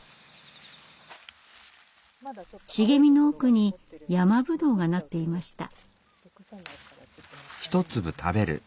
茂みの奥にヤマブドウがなっていました。